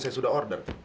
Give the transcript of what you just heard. saya sudah order